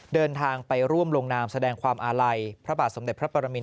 เดินทางไปร่วมลงนามแสดงความอาลัยพระบาทสมเด็จพระปรมิน